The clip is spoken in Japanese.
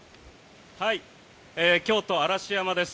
京都・嵐山です。